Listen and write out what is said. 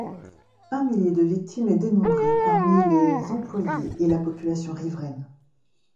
Un millier de victimes est dénombré parmi les employés et la population riveraine.